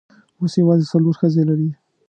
اوس یوازې څلور ښځې لري.